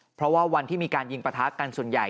เพราะว่าวันที่มีการยิงประทะกันส่วนใหญ่